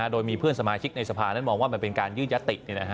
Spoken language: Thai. โดยมีเพื่อนสมาชิกในสภานั้นมองว่ามันเป็นการยื่นยติ